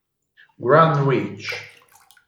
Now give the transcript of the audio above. Grand Ridge